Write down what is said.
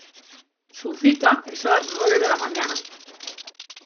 Su cita es a las nueve de la mañana.